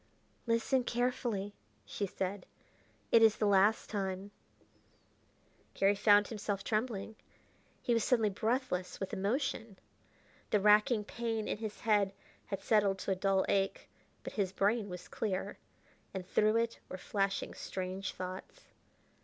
"Listen carefully," she said; "it is the last time "Garry found himself trembling; he was suddenly breathless with emotion. The racking pain in his head had settled to a dull ache, but his brain was clear, and through it were flashing strange thoughts.